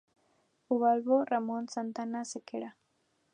Ubaldo Ramón Santana Sequera.